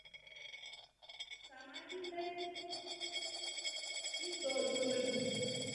Samadii le ningdoodu loli.